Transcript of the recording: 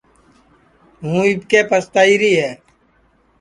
ہُوں اِٻکے پستائیری ہے